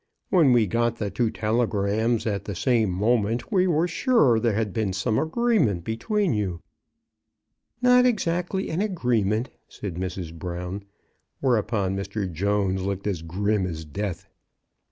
"When we got the two telegrams at the same moment, we were sure that there had been some agreement between you." MRS. BROWN AT THOMPSON HALL. 77 " Not exactly an agreement," said Mrs. Brown; whereupon Mr. Jones looked as grim as death.